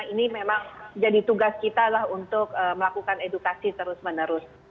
ini memang jadi tugas kita lah untuk melakukan edukasi terus menerus